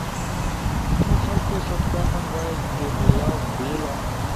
تُو خلقو ست کامن وائس دے میلاؤ بیلا